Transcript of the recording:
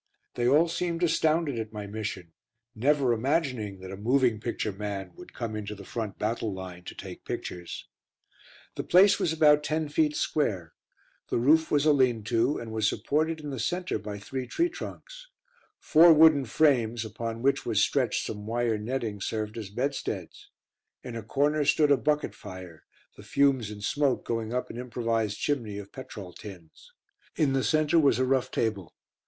They all seemed astounded at my mission, never imagining that a moving picture man would come into the front battle line to take pictures. The place was about ten feet square; the roof was a lean to, and was supported in the centre by three tree trunks. Four wooden frames, upon which was stretched some wire netting, served as bedsteads; in a corner stood a bucket fire, the fumes and smoke going up an improvised chimney of petrol tins. In the centre was a rough table.